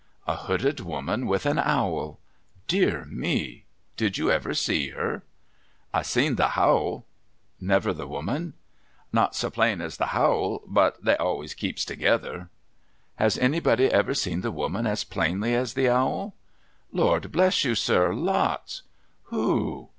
' A hooded woman with an owl. Dear me ! Did you ever see her ?'' I seen the howl.' ' Never the woman ?'' Not so plain as the howl, but they always keeps together.' ' Has anybody ever seen the woman as plainly as the owl ?'' Lord bless you, sir ! Lots.' ' Who